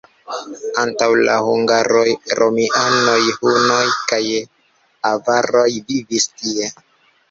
Antaŭ la hungaroj romianoj, hunoj kaj avaroj vivis tie.